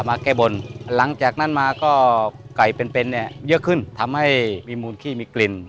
มาแก้บนหลังจากนั้นมาก็ไก่เป็นเป็นเนี่ยเยอะขึ้นทำให้มีมูลขี้มีกลิ่น